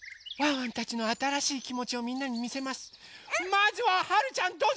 まずははるちゃんどうぞ！